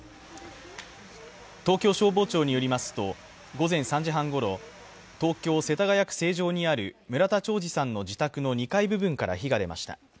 東京消防庁によりますと午前３時半ごろ、東京・世田谷区成城にある村田兆治さんの自宅の２階部分から火が出ました。